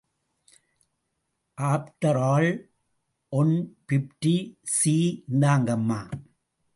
After all, one fifty சீ... இந்தாங்கம்மா.